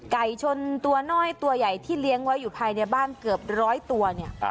ไก่ชนตัวน้อยตัวใหญ่ที่เลี้ยงไว้อยู่ภายในบ้านเกือบร้อยตัวเนี่ย